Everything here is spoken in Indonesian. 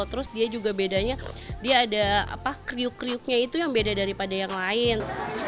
terus dia juga bedanya dia ada kriuk kriuknya itu yang beda daripada yang lain